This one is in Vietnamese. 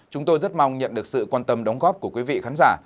chúng tôi rất mong nhận được sự quan tâm đóng góp của quý vị khán giả